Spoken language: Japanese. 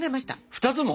２つも？